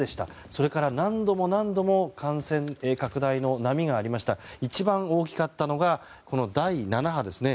それから、何度も何度も感染拡大の波がありまして一番大きかったのがこの第７波ですね。